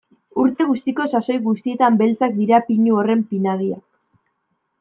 Urte guztiko sasoi guztietan beltzak dira pinu horren pinadiak.